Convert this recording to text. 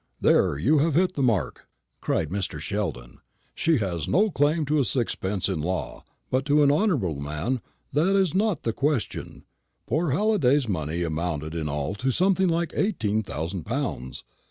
"There you have hit the mark," cried Mr. Sheldon. "She has no claim to a sixpence in law; but to an honourable man that is not the question. Poor Halliday's money amounted in all to something like eighteen thousand pounds.